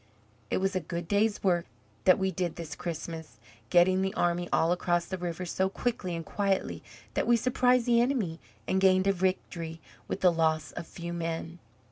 It was a good day's work that we did this Christmas, getting the army all across the river so quickly and quietly that we surprised the enemy, and gained a victory, with the loss of few men."